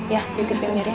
ya titipin dulu ya